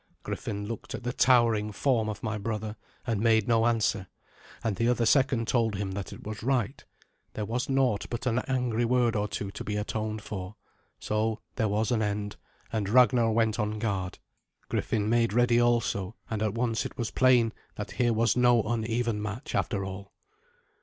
Griffin looked at the towering form of my brother and made no answer, and the other second told him that it was right. There was naught but an angry word or two to be atoned for. So there was an end, and Ragnar went on guard. Griffin made ready also, and at once it was plain that here was no uneven match after all.